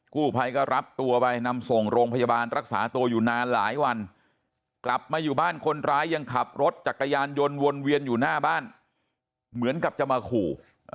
กู้ภัยก็รับตัวไปนำส่งโรงพยาบาลรักษาตัวอยู่นานหลายวันกลับมาอยู่บ้านคนร้ายยังขับรถจักรยานยนต์วนเวียนอยู่หน้าบ้านเหมือนกับจะมาขู่